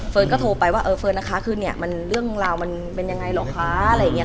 ก็โทรไปว่าเออเฟิร์นนะคะคือเนี่ยมันเรื่องราวมันเป็นยังไงหรอคะอะไรอย่างนี้